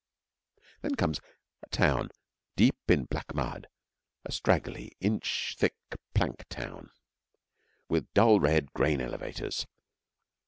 Then comes a town deep in black mud a straggly, inch thick plank town, with dull red grain elevators.